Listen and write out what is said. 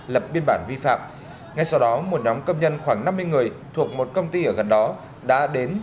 lập biên bản vi phạm ngay sau đó một nhóm công nhân khoảng năm mươi người thuộc một công ty ở gần đó đã đến